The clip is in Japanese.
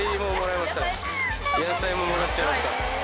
野菜ももらっちゃいました。